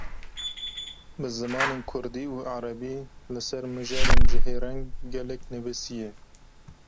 Bi zimanên Kurdî û Erebî, li ser mijarên cihêreng gelek nivîsiye